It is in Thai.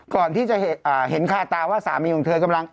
ก่อนที่จะเห็นคาตาว่าสามีของเธอกำลัง